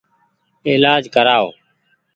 ايلآج ڪرآئو ۔